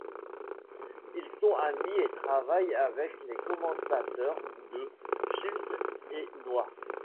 Ils sont amis et travaillent avec les commentateurs de ', Chips et Noi.